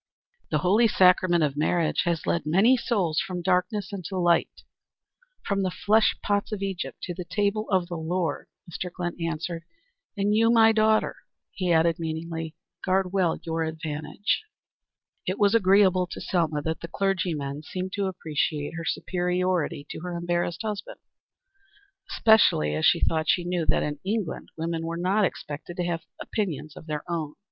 "The holy sacrament of marriage has led many souls from darkness into light, from the flesh pots of Egypt to the table of the Lord" Mr. Glynn answered. "And you, my daughter," he added, meaningly, "guard well your advantage." It was agreeable to Selma that the clergymen seemed to appreciate her superiority to her embarrassed husband, especially as she thought she knew that in England women were not expected to have opinions of their own.